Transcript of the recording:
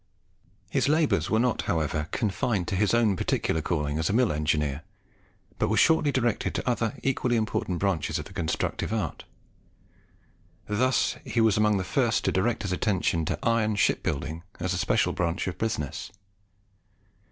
His labours were not, however, confined to his own particular calling as a mill engineer, but were shortly directed to other equally important branches of the constructive art. Thus he was among the first to direct his attention to iron ship building as a special branch of business.